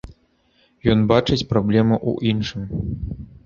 Ён бачыць праблему ў іншым.